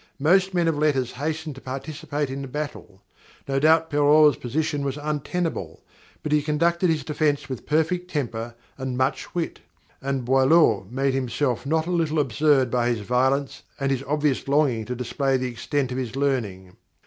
Most men of letters hastened to participate in the battle. No doubt Perrault's position was untenable, but he conducted his defence with perfect temper and much wit; and Boileau made himself not a little absurd by his violence and his obvious longing to display the extent of his learning.